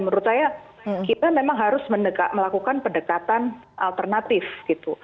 menurut saya kita memang harus melakukan pendekatan alternatif gitu